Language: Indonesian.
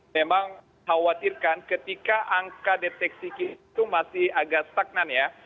memang khawatirkan ketika angka deteksi kita itu masih agak stagnan ya